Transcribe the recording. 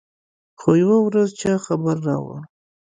خو يوه ورځ چا خبر راوړ.